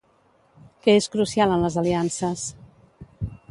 Què és crucial en les aliances?